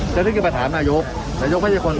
จะนึกถึงประถามนายกนายกไม่ใช่คน